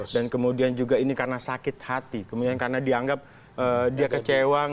dan kemudian juga ini karena sakit hati kemudian karena dianggap dia kecewa